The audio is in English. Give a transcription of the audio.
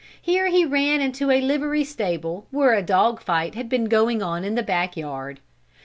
Here he ran into a livery stable where a dog fight had been going on in the back yard.